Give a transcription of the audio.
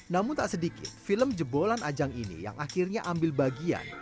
namun tak sedikit film jebolan ajang ini yang akhirnya ambil bagian